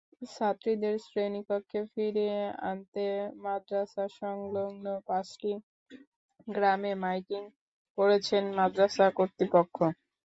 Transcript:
ছাত্রীদের শ্রেণিকক্ষে ফিরিয়ে আনতে মাদ্রাসাসংলগ্ন পাঁচটি গ্রামে মাইকিং করেছে মাদ্রাসা কর্তৃপক্ষ।